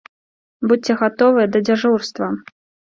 Будзьце гатовыя да дзяжурства!